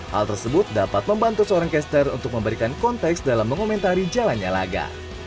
hal tersebut dapat membantu seorang caster untuk memberikan konteks dalam mengomentari jalannya laga